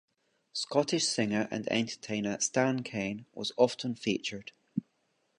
Scottish singer and entertainer Stan Kane was often featured.